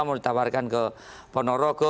mau ditawarkan ke ponorogo